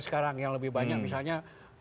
sekarang yang lebih banyak misalnya